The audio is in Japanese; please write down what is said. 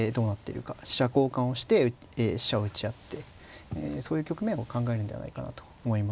飛車交換をして飛車を打ち合ってそういう局面を考えるんではないかなと思いますね。